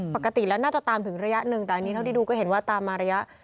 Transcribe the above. ปกติแล้วน่าจะตามถึงระยะหนึ่งแต่อันนี้เท่าที่ดูก็เห็นว่าตามมาระยะ